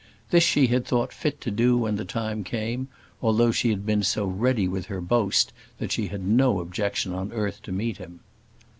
This she had thought fit to do when the time came, although she had been so ready with her boast that she had no objection on earth to meet him.